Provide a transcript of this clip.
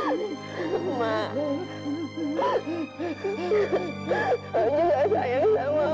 saya tidak ingin berhutang dengan anda